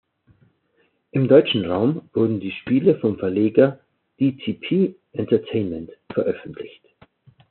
Im deutschen Raum wurden die Spiele vom Verleger dtp entertainment veröffentlicht.